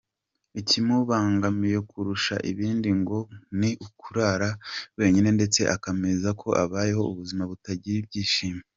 Ikimubangamiye kurusha ibindi ngo ni ukurara wenyine ndetse akemeza ko abayeho ubuzima butagira ibyishimo.